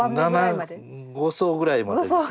５層ぐらいまでですね。